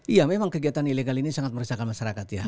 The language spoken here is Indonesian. iya memang kegiatan ilegal ini sangat meresahkan masyarakat ya